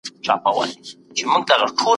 هغه وويل چي د کتابتون د کار مرسته ضروري ده،